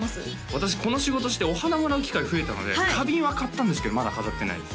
私この仕事してお花もらう機会増えたので花瓶は買ったんですけどまだ飾ってないです